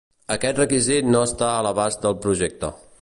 Aquest requisit no està a l'abast del projecte.